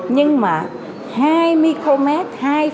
nhưng mà hai micromet